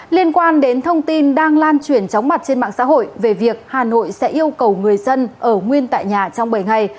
liên quan đến thông tin đang lan truyền chóng mặt trên mạng xã hội về việc hà nội sẽ yêu cầu người dân ở nguyên tại nhà trong bảy ngày